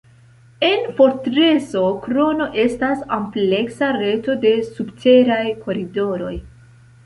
En fortreso Krono estas ampleksa reto de subteraj koridoroj.